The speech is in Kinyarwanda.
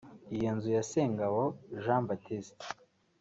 Iyo nzu ya Sengabo Jean Baptiste